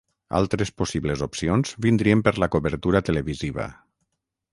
Altres possibles opcions vindrien per la cobertura televisiva.